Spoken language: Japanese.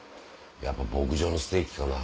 やっぱ牧場のステーキかな。